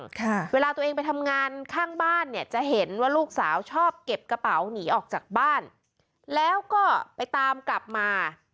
ค่ะเวลาตัวเองไปทำงานข้างบ้านเนี่ยจะเห็นว่าลูกสาวชอบเก็บกระเป๋าหนีออกจากบ้านแล้วก็ไปตามกลับมา